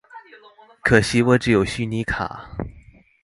可惜我只有虛擬卡